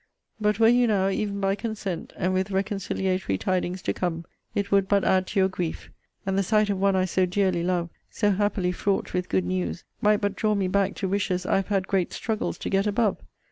But were you now, even by consent, and with reconciliatory tidings, to come, it would but add to your grief; and the sight of one I so dearly love, so happily fraught with good news, might but draw me back to wishes I have had great struggles to get above.